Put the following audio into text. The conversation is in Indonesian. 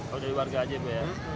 kalau dari warga aja bu ya